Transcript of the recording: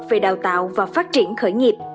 về đào tạo và phát triển khởi nghiệp